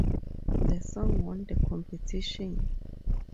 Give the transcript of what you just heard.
The song won the competition.